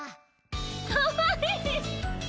かわいい！